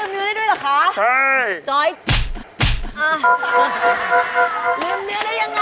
ลืมเนื้อได้ยังไง